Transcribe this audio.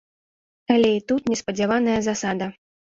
Але і тут неспадзяваная засада.